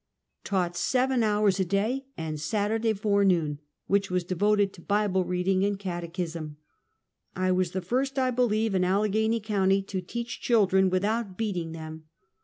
Taught seven hours a day, and Saturday forenoon, which was devoted to Bible reading and catechism. I was the first, I believe, in Allegheny Co., to teach children without beating Lose mt Beothee.